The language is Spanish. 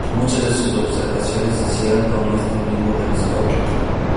Muchas de sus observaciones se hicieron con este mismo telescopio.